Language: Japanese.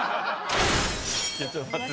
ちょっと待って。